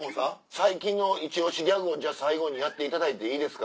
最近のイチ押しギャグを最後にやっていただいていいですか？